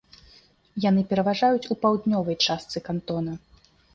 Яны пераважаюць у паўднёвай частцы кантона.